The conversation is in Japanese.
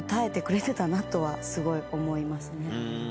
すごい思いますね。